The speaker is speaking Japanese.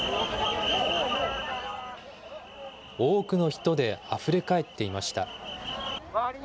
多くの人であふれ返っていました。